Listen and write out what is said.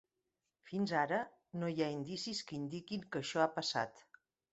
Fins ara no hi ha indicis que indiquin que això ha passat.